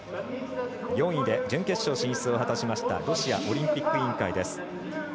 ４位で準決勝進出を果たしたロシアオリンピック委員会です。